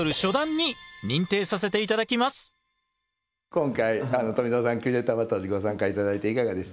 今回富澤さん「キュレーターバトル！！」にご参加頂いていかがでしたか？